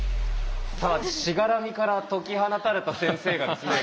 さあしがらみから解き放たれた先生がですね